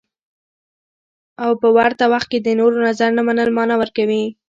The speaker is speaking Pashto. او په ورته وخت کې د نورو نظر نه منل مانا ورکوي.